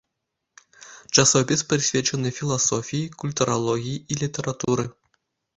Часопіс прысвечаны філасофіі, культуралогіі і літаратуры.